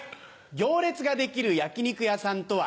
行列ができる焼き肉屋さんとは。